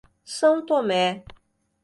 São Tomé